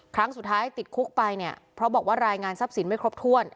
ครั้งสุดท้ายติดคุกไปเนี่ยเพราะบอกว่ารายงานทรัพย์สินไม่ครบถ้วน